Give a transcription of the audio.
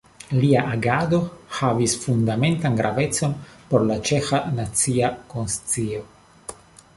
Lia agado havis fundamentan gravecon por la ĉeĥa nacia konscio.